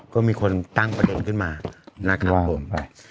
ก็มีคนตั้งประเด็นขึ้นมานะครับผม